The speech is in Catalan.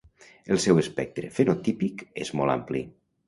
El seu espectre fenotípic és molt ampli.